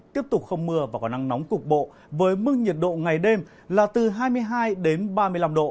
tiếp tục không mưa và có nắng nóng cục bộ với mức nhiệt độ ngày đêm là từ hai mươi hai đến ba mươi năm độ